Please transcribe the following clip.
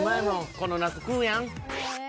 この夏食うやん。